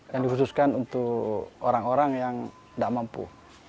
yang dikhususkan untuk orang orang yang tidak mampu